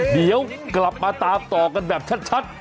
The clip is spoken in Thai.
เดี๋ยวกลับมาตามต่อกันแบบชัด